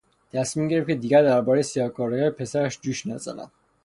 تصمیم گرفت که دیگر دربارهی سیاهکاریهای پسرش جوش نزند.